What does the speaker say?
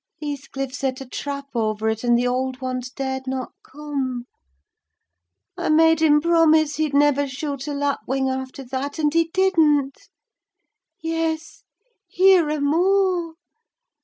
Heathcliff set a trap over it, and the old ones dared not come. I made him promise he'd never shoot a lapwing after that, and he didn't. Yes, here are more!